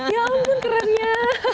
ya ampun kerennya